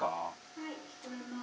はい聞こえます。